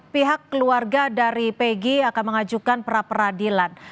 pihak keluarga dari pegi akan mengajukan perapradilan